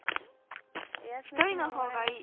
一人のほうがいい。